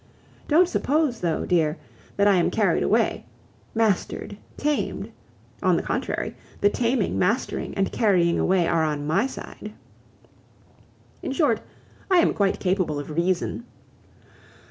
Don't suppose though, dear, that I am carried away, mastered, tamed; on the contrary, the taming, mastering, and carrying away are on my side... In short, I am quite capable of reason.